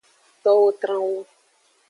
Towo tran wu.